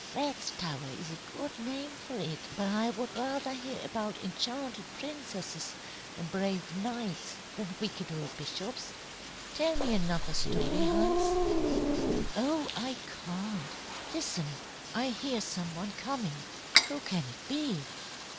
"Rats' Tower is a good name for it. But I would rather hear about enchanted princesses and brave knights than wicked old bishops. Tell me another story, Hans." "Oh, I can't. Listen! I hear some one coming. Who can it be?"